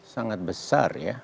sangat besar ya